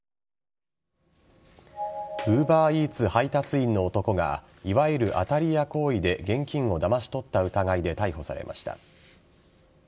ＵｂｅｒＥａｔｓ配達員の男がいわゆる当たり屋行為で現金をだまし取った疑いで逮捕されました。